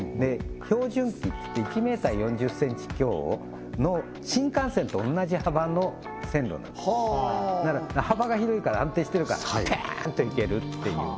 標準軌って１ｍ４０ｃｍ強の新幹線と同じ幅の線路なんですだから幅が広いから安定してるからパーンて行けるっていう